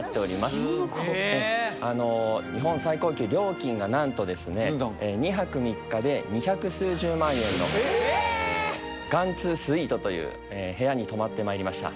すげえすごい日本最高級料金がなんとですね２泊３日で二百数十万円のガンツウスイートという部屋に泊まってまいりました